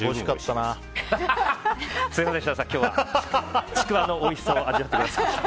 すみませんでした、今日はちくわのおいしさを味わってください。